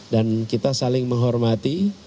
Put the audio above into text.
dan kita saling menghormati